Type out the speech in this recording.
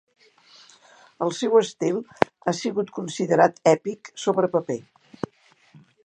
El seu estil ha sigut considerat èpic sobre paper.